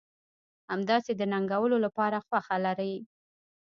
همداسې د ننګولو لپاره خوښه لرئ.